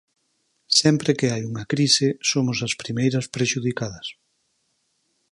Sempre que hai unha crise somos as primeiras prexudicadas.